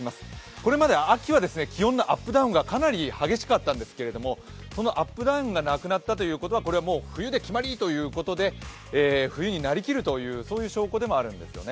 これまで秋は気温のアップダウンがかなり激しかったんですけれども、そのアップダウンがなくなったということはこれはもう冬で決まりということで冬になりきるというそういう証拠でもあるんですよね。